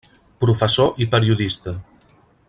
Professor i periodista.